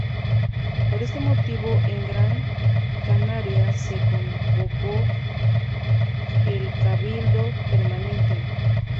Por ese motivo, en Gran Canaria se convocó el Cabildo Permanente.